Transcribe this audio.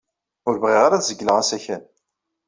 Ur bɣiɣ ara ad zegleɣ asakal.